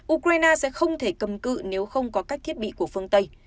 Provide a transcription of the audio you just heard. ukraine sẽ không thể cầm cự nếu không có các thiết bị của phương tây